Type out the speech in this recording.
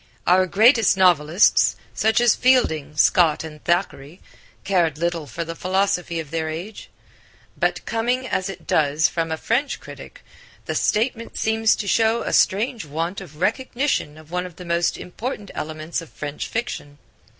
Our greatest novelists, such as Fielding, Scott and Thackeray cared little for the philosophy of their age. But coming, as it does, from a French critic, the statement seems to show a strange want of recognition of one of the most important elements of French fiction.